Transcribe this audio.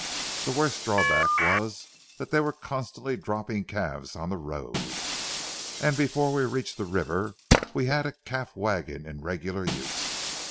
The worst drawback was that they were constantly dropping calves on the road, and before we reached the river we had a calf wagon in regular use.